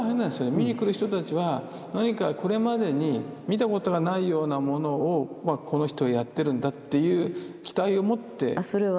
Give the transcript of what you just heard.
見に来る人たちは何かこれまでに見たことがないようなものをこの人はやってるんだっていう期待を持って見にくるという。